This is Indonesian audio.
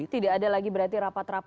tidak ada lagi berarti rapat rapat